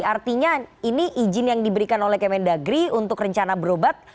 artinya ini izin yang diberikan oleh kementerian dalam negeri untuk rencana berobat